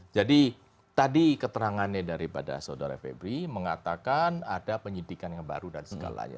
jadi tadi keterangannya daripada saudara febri mengatakan ada penyidikan yang baru dan segalanya